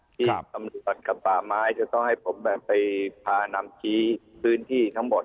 ที่ตำรวจกับป่าไม้จะต้องให้ผมไปพานำชี้พื้นที่ทั้งหมด